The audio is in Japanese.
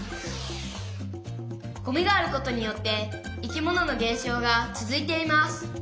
「ゴミがあることによって生き物の減少が続いています」。